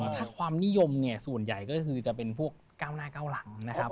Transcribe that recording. ถ้าความนิยมเนี่ยส่วนใหญ่ก็คือจะเป็นพวกก้าวหน้าก้าวหลังนะครับ